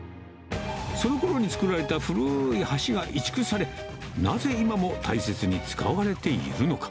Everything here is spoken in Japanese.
そのころに作られた古ーい橋が移築され、なぜ今も大切に使われているのか。